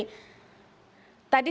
baik baik putri